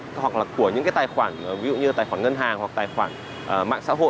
hoặc là của những cái tài khoản ví dụ như tài khoản ngân hàng hoặc tài khoản mạng xã hội